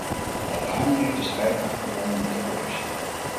Albanië heeft de strijd aangebonden met de corruptie.